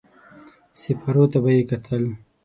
سېپارو ته به يې کتل.